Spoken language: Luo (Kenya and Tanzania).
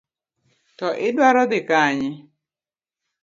To idwaro dhi kanye?